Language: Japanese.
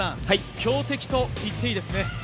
強敵と言っていいですね。